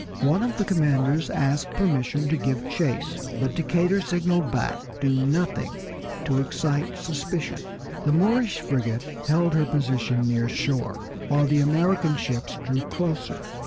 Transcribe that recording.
One of the commanders asked permission to give chase, but Decatur signaled back "Do nothing to excite suspicion." The Moorish frigate held her position near shore while the American ships drew closer.